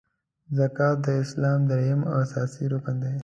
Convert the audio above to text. زکات د اسلام دریم او اساسې رکن دی .